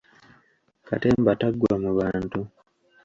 Katemba taggwa mu bantu!